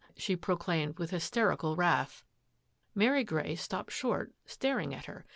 " she proclaimed with hys terical wrath. Mary Grey stopped short, staring at her.